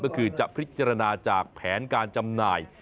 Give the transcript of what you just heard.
ก็คือจะพิจารณาจากแผนการจำหน่าย